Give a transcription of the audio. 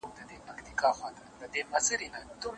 د یوې ورځي دي زر ډالره کیږي